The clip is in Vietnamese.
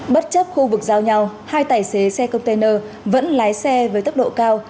bất chấp khu vực giao nhau hai tài xế xe container vẫn lái xe với tốc độ cao